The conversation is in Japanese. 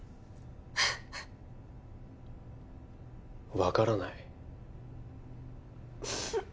わからない